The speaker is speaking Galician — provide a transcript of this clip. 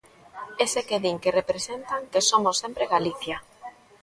Ese que din que representan, que somos sempre Galicia.